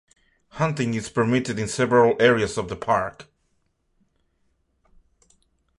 Hunting is permitted in several areas of the park.